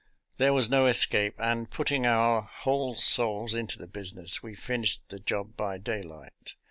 There was no escape, and, putting our whole souls into the business, we finished the job by day light.